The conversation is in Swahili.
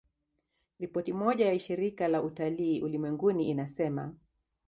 Ripoti moja ya Shirika la Utalii Ulimwenguni inasema